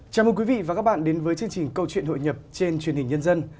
chào mừng quý vị và các bạn đến với chương trình câu chuyện hội nhập trên truyền hình nhân dân